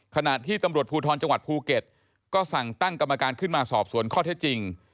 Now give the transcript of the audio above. ขณะที่ตำรวจภูทรจังหวัดภูเก็ตก็สั่งตั้งกรรมการขึ้นมาสอบสวนข้อเท็จจริง